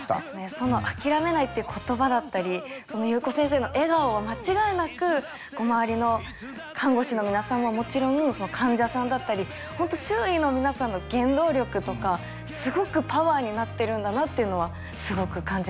そのあきらめないっていう言葉だったり夕子先生の笑顔は間違いなく周りの看護師の皆さんはもちろん患者さんだったり本当周囲の皆さんの原動力とかすごくパワーになってるんだなっていうのはすごく感じました。